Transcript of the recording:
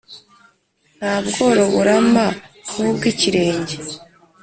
Nta bworo burama nkubwo ikirenge.